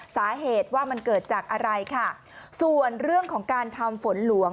สาเหตุว่ามันเกิดจากอะไรค่ะส่วนเรื่องของการทำฝนหลวง